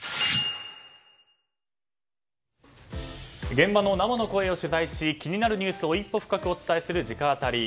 現場の生の声を取材し気になるニュースを一歩深くお伝えする直アタリ。